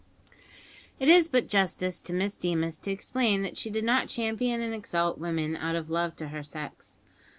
It is but justice to Miss Deemas to explain that she did not champion and exalt women out of love to her sex.